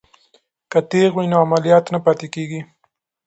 که تیغ وي نو عملیات نه پاتې کیږي.